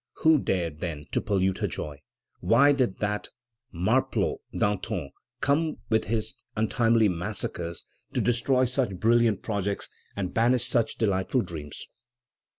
Who dared, then, to pollute her joy? Why did that marplot, Danton, come with his untimely massacres to destroy such brilliant projects and banish such delightful dreams?